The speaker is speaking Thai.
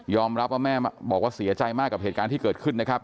รับว่าแม่บอกว่าเสียใจมากกับเหตุการณ์ที่เกิดขึ้นนะครับ